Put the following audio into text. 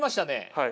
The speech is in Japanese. はい。